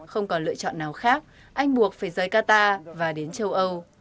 không còn lựa chọn nào khác anh buộc phải rời qatar và đến châu âu